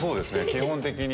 基本的に。